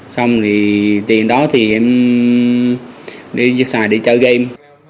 xong thì tiền đó thì em